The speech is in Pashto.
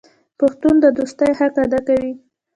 پښتون د دوستۍ حق ادا کوي.